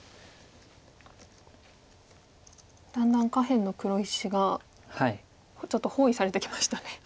だんだん下辺の黒石がちょっと包囲されてきましたね。